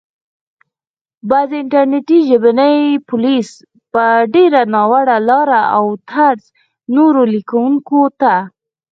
بعضي انټرنټي ژبني پوليس په ډېره ناوړه لاره او طرز نورو ليکونکو ته